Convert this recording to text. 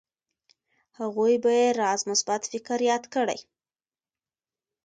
هغوی به يې راز مثبت فکر ياد کړي.